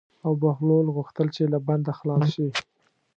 او بهلول غوښتل چې له بنده خلاص شي.